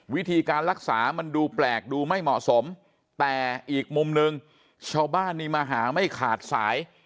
วิธีการรักษามันดูแปลกดูไม่เหมาะสมแต่อีกมุมหนึ่งชาวบ้านนี่มาหาไม่ขาดสาย